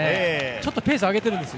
ちょっとペース上げてるんです